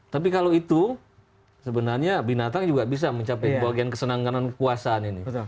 tapi kalau itu sebenarnya binatang juga bisa mencapai bagian kesenangan kekuasaan ini